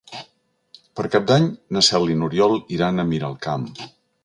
Per Cap d'Any na Cel i n'Oriol iran a Miralcamp.